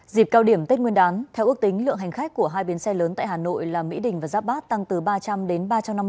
dịp cao điểm tết nguyên đán theo ước tính lượng hành khách của hai bến xe lớn tại hà nội là mỹ đình và giáp bát tăng từ ba trăm linh đến ba trăm năm mươi